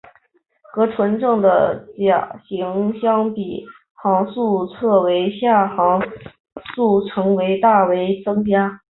和纯正的甲型相比航速略为下降航程却大为增加。